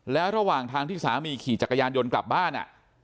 แล้วระหว่างทางที่สามีขี่จักรยานยนต์กลับบ้าน